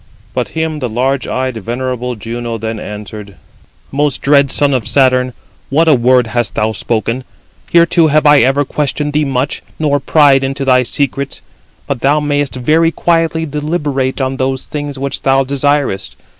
But him the large eyed, venerable Juno then answered: "Most dread son of Saturn, what a word hast thou spoken? Heretofore have I ever questioned thee much, nor pryed [into thy secrets]; but thou mayest very quietly deliberate on those things which thou desirest.